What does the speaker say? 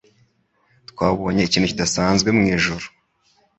Twabonye ikintu kidasanzwe mwijuru.